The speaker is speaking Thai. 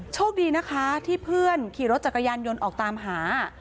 โชคดีนะคะที่เพื่อนขี่รถจักรยานยนต์ออกตามหา